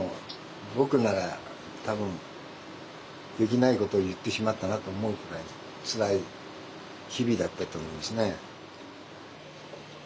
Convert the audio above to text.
僕なら多分できないことを言ってしまったなと思うくらいつらい日々だったと思いますね。